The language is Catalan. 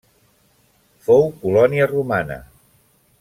Fou colònia romana.